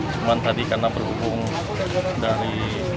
cuma tadi karena berhubung dari